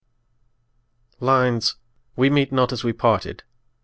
1862. LINES: 'WE MEET NOT AS WE PARTED'.